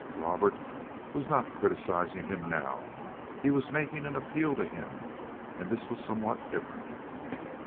Robert was not criticizing him now. He was making an appeal to him, and this was somewhat different.